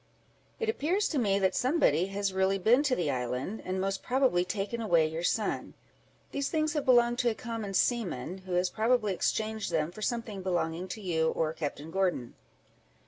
"It appears to me that somebody has really been to the island, and most probably taken away your son. These things have belonged to a common seaman, who has probably exchanged them for something belonging to you or Captain Gordon."